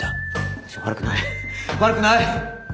私は悪くない悪くない！